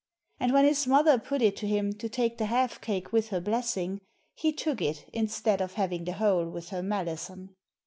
And when his mother put it to him to take the half cake with her blessing, he took it instead of having the whole with her malison.